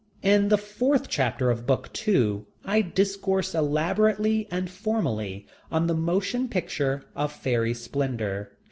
In the fourth chapter of book two I discourse elaborately and formally on The Motion Picture of Fairy Splendor.